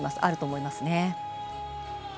あると思いますね。